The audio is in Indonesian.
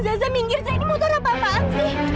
za za minggir za ini muda rapa paan sih